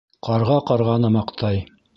Ҡарға ҡарғаны маҡтай.